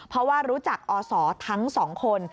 เพราะว่ารู้จักอศทั้งสองคน